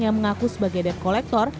yang mengaku sebagai debt collector